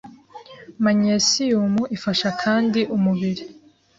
Manyesiyumu ifasha kandi umubiri